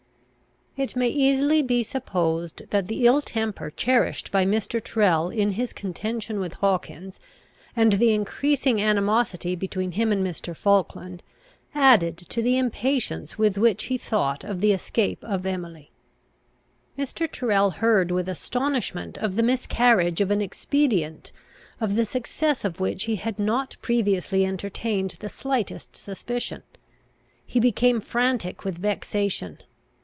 It may easily be supposed, that the ill temper cherished by Mr. Tyrrel in his contention with Hawkins, and the increasing animosity between him and Mr. Falkland, added to the impatience with which he thought of the escape of Emily. Mr. Tyrrel heard with astonishment of the miscarriage of an expedient, of the success of which he had not previously entertained the slightest suspicion. He became frantic with vexation.